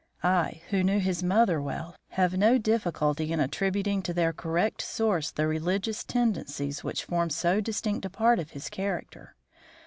I, who knew his mother well, have no difficulty in attributing to their correct source the religious tendencies which form so distinct a part of his character.